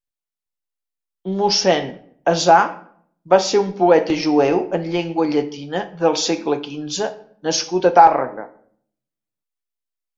Mossèn Azà va ser un poeta jueu en llengua llatina del segle quinze nascut a Tàrrega.